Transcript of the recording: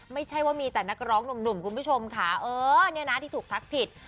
ไม่ใช่ว่ามีแต่นักร้องหนุ่มคุณผู้ชมค่ะเออเนี่ยนะที่ถูกทักผิด